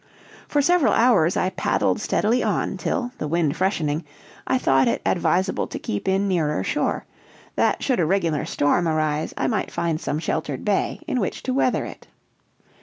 For several hours I paddled steadily on, till, the wind freshening, I thought it advisable to keep in nearer shore; that, should a regular storm arise, I might find some sheltered bay in which to weather it.